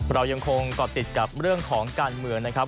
เรายังคงเกาะติดกับเรื่องของการเมืองนะครับ